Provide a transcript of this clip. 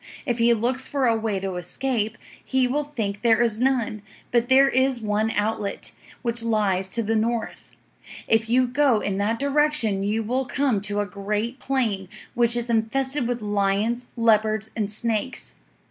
If he looks for a way to escape, he will think there is none; but there is one outlet, which lies to the north. If you go in that direction you will come to a great plain, which is infested with lions, leopards, and snakes.